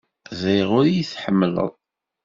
Ẓriɣ ur iyi-tḥemmleḍ.